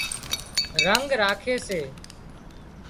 رنڳ راکي سي